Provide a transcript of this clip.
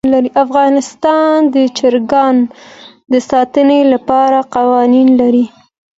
افغانستان د چرګان د ساتنې لپاره قوانین لري.